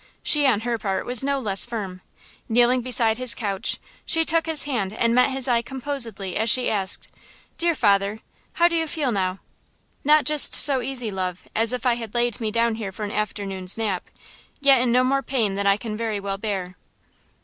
She, on her part, was no less firm. Kneeling beside his couch, she took his hand and met his eye composedly as she asked: "Dear father, how do you feel now?" "Not just so easy, love, as if I had laid me down here for an afternoon's nap, yet in no more pain than I can very well bear."